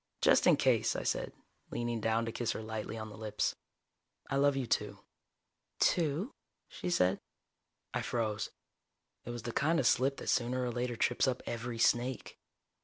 "Just in case," I said, leaning down to kiss her lightly on the lips. "I love you, too." "Too?" she said. I froze. It was the kind of slip that sooner or later trips up every snake.